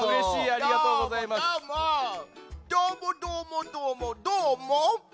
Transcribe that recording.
どーもどーもどーもどーも！